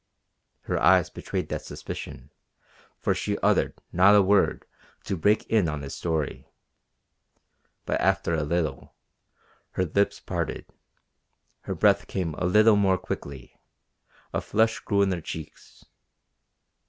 Her eyes betrayed that suspicion, for she uttered not a word to break in on his story; but after a little her lips parted, her breath came a little more quickly, a flush grew in her cheeks.